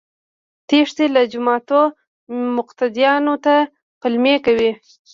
تښتي له جوماته مقتديانو ته پلمې کوي